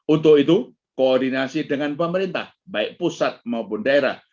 untuk itu koordinasi dengan pemerintah baik pusat maupun daerah